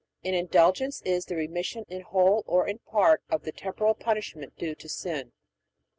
An Indulgence is the remission in whole or in part of the temporal punishment due to sin.